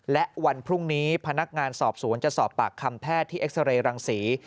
และวันพรุ่งนี้พนักงานสอบสวนจะสอบปากคำแพทย์ที่เอ็กซาเรย์รังศรี